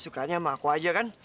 suka nih sama aku aja kan